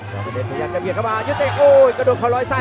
ก็แตมยันเเกี่ยวกับยุติจักรโอ้ยกระดุนเขารอยใส